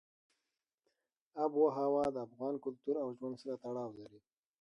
آب وهوا د افغان کلتور او ژوند سره تړاو لري.